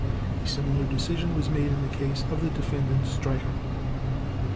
A similar decision was made in the case of the Defendant Streicher.